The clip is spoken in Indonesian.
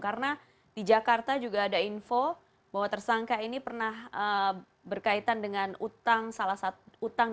karena di jakarta juga ada info bahwa tersangka ini pernah berkaitan dengan utang di salah satu bank